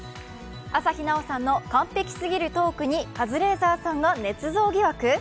朝日奈央さんの完璧すぎるトークに、カズレーザーさんがねつ造疑惑？